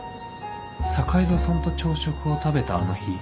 坂井戸さんと朝食を食べたあの日